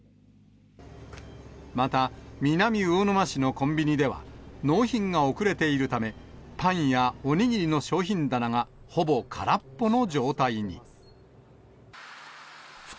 また、南魚沼市のコンビニでは、納品が遅れているため、パンやおにぎりの商品棚がほぼ空っぽの状態に。